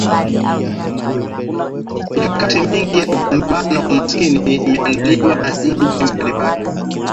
Mikakati mingi ya kupambana na umaskini imeandaliwa na nchi mbalimbali